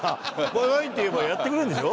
「ゴイゴイ」って言えばやってくれるんでしょ？